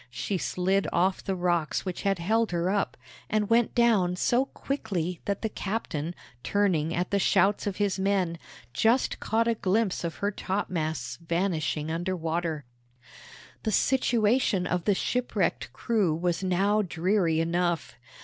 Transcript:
She slid off the rocks which had held her up, and went down so quickly that the captain, turning at the shouts of his men, just caught a glimpse of her topmasts vanishing under water. The situation of the shipwrecked crew was now dreary enough.